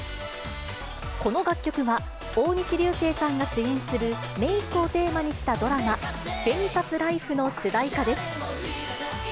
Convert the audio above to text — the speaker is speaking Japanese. この楽曲は、大西流星さんが主演するメークをテーマにしたドラマ、紅さすライフの主題歌です。